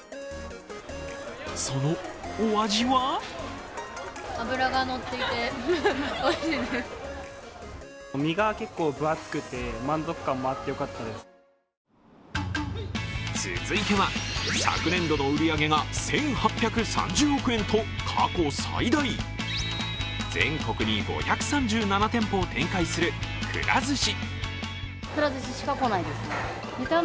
そのお味は続いては、昨年度の売り上げが１８３０億円と過去最大、全国に５３７店舗を展開するくら寿司。